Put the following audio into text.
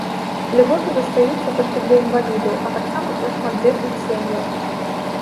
Льготы застаюцца толькі для інвалідаў, а таксама для шматдзетных сем'яў.